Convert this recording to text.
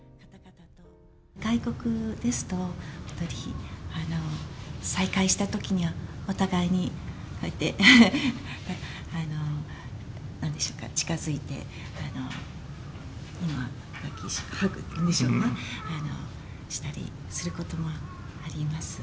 外国ですと、再会したときにはお互いにこうやってなんでしょうか、近づいて、ハグっていうんでしょうか、したりすることもあります。